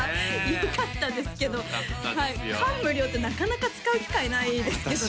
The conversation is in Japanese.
よかったですけど「感無量」ってなかなか使う機会ないですけどね